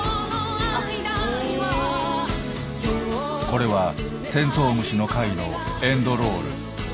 これはテントウムシの回のエンドロール。